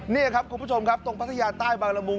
นี่ครับคุณผู้ชมครับตรงพัทยาใต้บางละมุง